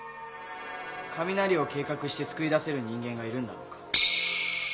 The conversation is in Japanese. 雷を計画してつくり出せる人間がいるんだろうか？